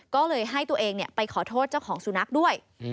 ก็เลยให้ตัวเองไปขอโทษเจ้าของสุนัขด้วย